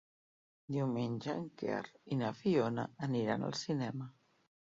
Diumenge en Quer i na Fiona aniran al cinema.